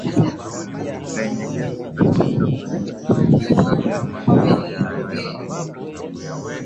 lenye gesi Katika kuikinga gesi hiyo inayoaminika